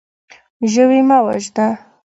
ژوی مه وژنه.